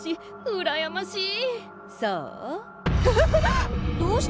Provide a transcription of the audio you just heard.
うらやましい！